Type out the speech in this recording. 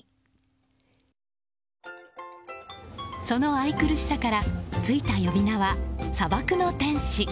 その愛くるしさからついた呼び名は砂漠の天使。